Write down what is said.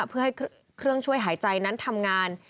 เพื่อให้เครื่องช่วยหายใจนั้นทำงาน